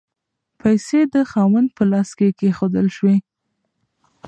پیسې د خاوند په لاس کې کیښودل شوې.